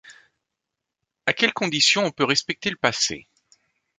À quelle condition on peut respecter le passé